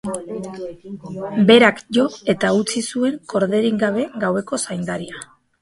Berak jo eta utzi zuen korderik gabe gaueko zaindaria.